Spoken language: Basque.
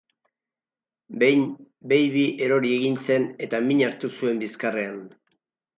Behin Baby erori egin zen eta min hartu zuen bizkarrean.